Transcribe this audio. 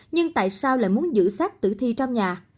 nhưng tại sao lại muốn giữ xác tử thi trong nhà